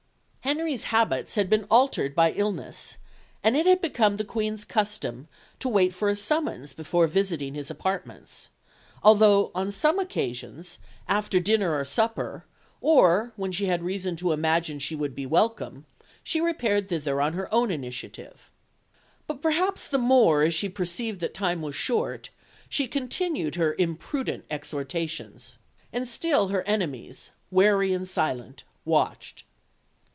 Henry's habits had been altered by illness, and it had become the Queen's custom to wait for a summons before visiting his apartments; although on some occasions, after dinner or supper, or when she had reason to imagine she would be welcome, she repaired thither on her own initiative. But perhaps the more as she perceived that time was short, she continued her imprudent exhortations. And still her enemies, wary and silent, watched.